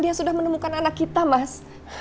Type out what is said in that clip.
dia sudah menemukan anak kita mas